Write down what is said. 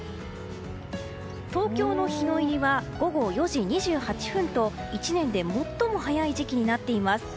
東京の日の入りは午後４時２８分と１年で最も早い時期になっています。